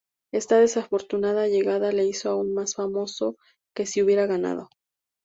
Esta desafortunada llegada le hizo aún más famoso que si hubiera ganado.